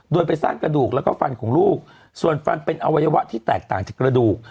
โดยไปสร้างกระดูกแล้วก็ฟันของลูกส่วนฟันเป็นอวัยวะที่แตกต่างจากกระดูก